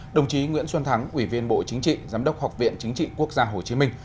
đồng chí nguyễn xuân thắng ủy viên bộ chính trị giám đốc học viện chính trị quốc gia hồ chí minh